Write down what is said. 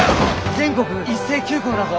全国一斉休校だぞ。